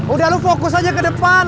udah lu fokus aja ke depan